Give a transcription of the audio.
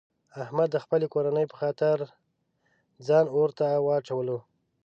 احمد د خپلې کورنۍ په خاطر ځان اورته واچولو.